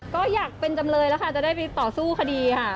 ก็อยากเป็นจำเลยแล้วค่ะจะได้ไปต่อสู้คดีค่ะ